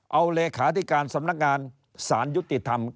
เอาเลขาธิการสำนักงานสารยุติธรรม